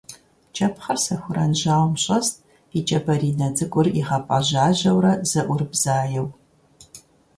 КӀэпхъыр сэхуран жьауэм щӀэст, и кӀэ баринэ цӀыкӀур игъэпӀэжьажьэурэ зэӀурыбзаеу.